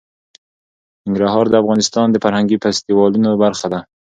ننګرهار د افغانستان د فرهنګي فستیوالونو برخه ده.